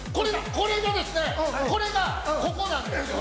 これがですね、これがこうなんですよね？